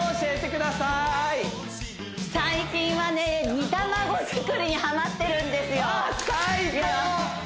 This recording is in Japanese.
最近はね煮卵作りにハマってるんですよ最高！